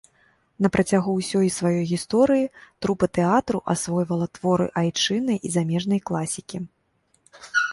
На працягу ўсёй сваёй гісторыі трупа тэатру асвойвала творы айчыннай і замежнай класікі.